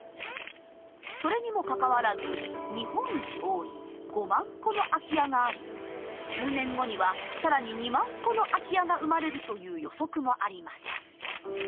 それにもかかわらず日本一多い５万戸の空き家があり１０年後には更に２万戸の空き家が生まれるという予測もあります。